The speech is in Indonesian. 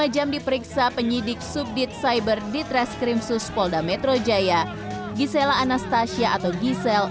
lima jam diperiksa penyidik subdit cyber ditreskrim suspolda metro jaya gisela anastasia atau gisel